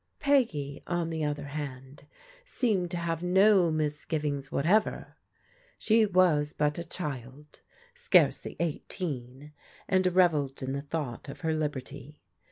Peggy, on the other hand, seemed to have no misgiv ings whatever. She was but a child, scarcely dghteen, and revelled in the thought of her liberty.